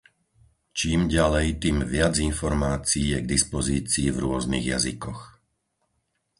Čím ďalej tým viac informácií je k dispozícii v rôznych jazykoch.